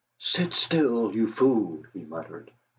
"Sit still, you fool!" he muttered.